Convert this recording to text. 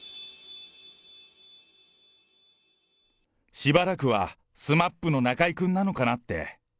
しばらくはＳＭＡＰの中居君なのかなって。